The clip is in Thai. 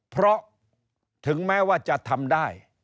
เพราะถึงแม้ว่าจะทำได้